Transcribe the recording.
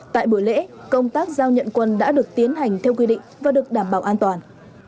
tại buổi lễ công tác giao nhận quân đã được tiến hành theo quy định và được đảm bảo an toàn